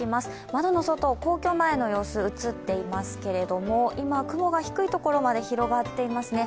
窓の外、皇居前の様子、映ってますけど、今、雲が低いところまで広がっていますね。